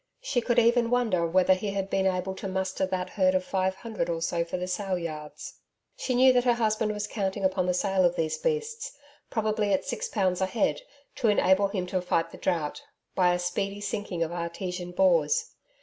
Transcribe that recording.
She could even wonder whether he had been able to muster that herd of five hundred or so for the sale yards. She knew that her husband was counting upon the sale of these beasts probably at 6 pounds a head to enable him to fight the drought, by a speedy sinking of artesian bores.